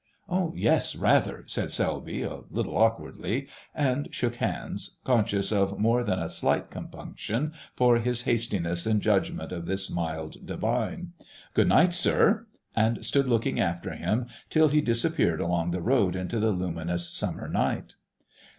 "Yes, rather——!" said Selby a little awkwardly, and shook hands, conscious of more than a slight compunction for his hastiness in judgment of this mild divine. "Good night, sir," and stood looking after him till he disappeared along the road into the luminous summer night.